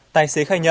tài xế khai nhận